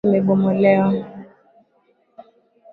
Nyumba imebomolewa.